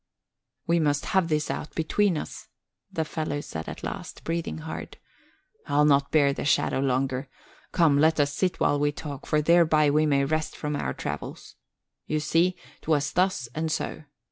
"We must have this out between us," the fellow said at last, breathing hard. "I'll not bear the shadow longer. Come, let us sit while we talk, for thereby we may rest from our travels. You see, 'twas thus and so.